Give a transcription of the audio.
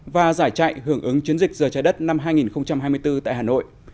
và giải chạy hưởng ứng chiến dịch giờ trái đất năm hai nghìn hai mươi bốn tại hà nội